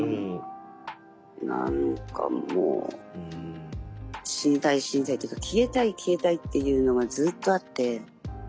何かもう死にたい死にたいっていうか消えたい消えたいっていうのがずっとあって。